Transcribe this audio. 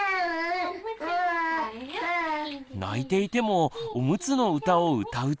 泣いていてもおむつの歌を歌うと。